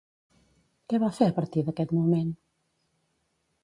Què va fer a partir d'aquest moment?